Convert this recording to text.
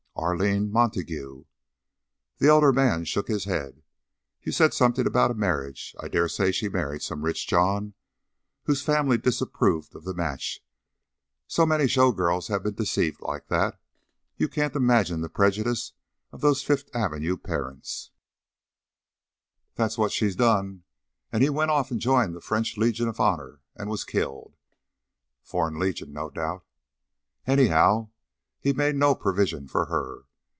"Arline Montague." The elder man shook his head. "You said something about a marriage. I dare say she married some rich John whose family disapproved of the match so many show girls have been deceived like that. You can't imagine the prejudice of those Fifth Avenue parents " "That's what she done. An' he went off an' joined the French Legion of Honor an' was killed." "Foreign Legion, no doubt." "Anyhow, he never made no pervision for her.